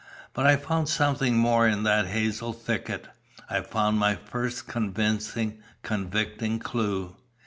But I found something more in that hazel thicket. I found my first convincing, convicting clue.